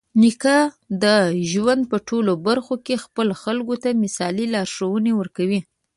نیکه د ژوند په ټولو برخه کې خپلو خلکو ته مثالي لارښوونې ورکوي.